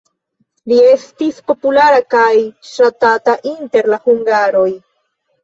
Li estis populara kaj ŝatata inter la hungaroj.